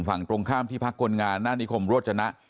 ฝั่งตรงข้ามที่พักกลงานณนิคมโรจณะ